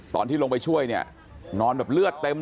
ตอนที่ลงไปช่วยเนี่ยนอนแบบเลือดเต็มเลย